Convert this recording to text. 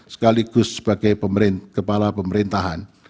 sekaligus sebagai kepala pemerintahan